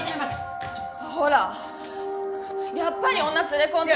ほらやっぱり女連れ込んでた。